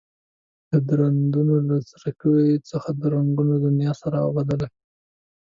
د دردونو له څړیکو څخه د رنګونو دنيا سره اوبدله.